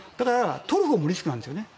とるほうもリスクなんですよね。